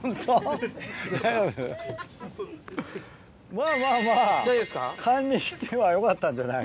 まぁまぁまぁ勘にしてはよかったんじゃない？